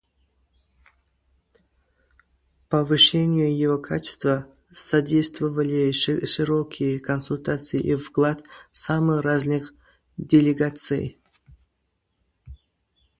Повышению его качества содействовали широкие консультации и вклад самых различных делегаций.